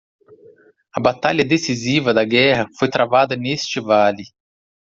A batalha decisiva da guerra foi travada neste vale.